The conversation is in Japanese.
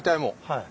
はい。